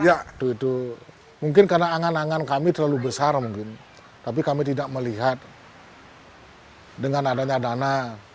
ya itu mungkin karena angan angan kami terlalu besar mungkin tapi kami tidak melihat dengan adanya dana